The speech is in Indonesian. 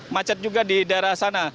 macet juga di daerah sana